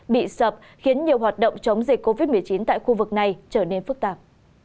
bị sập khiến nhiều hoạt động chống dịch covid một mươi chín tại khu vực này trở nên phức tạp